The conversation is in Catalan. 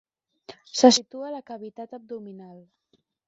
Se situa a la cavitat abdominal.